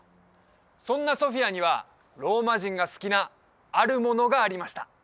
そんなソフィアにはローマ人が好きなあるものがありました